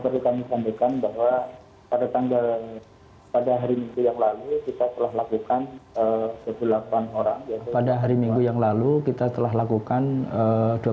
baik saya ingin menyampaikan bahwa pada hari minggu yang lalu kita telah lakukan dua puluh delapan orang